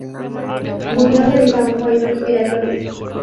Murió debido a un fallo respiratorio.